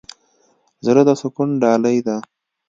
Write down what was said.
زړه د سکون ډالۍ ده.